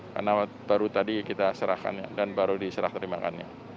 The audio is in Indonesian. karena baru tadi kita serahkannya dan baru diserah terima kannya